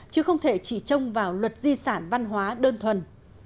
chứ không thể chỉ trông vào luật di sản văn hóa đơn thuần